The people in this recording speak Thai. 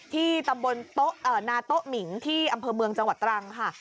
ที่ตำบลนาโต๊ะหมิงที่อำเภอเมืองจังหวัดตรังค่ะ